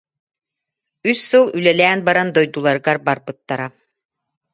Үс сыл үлэлээн баран дойдуларыгар барбыттара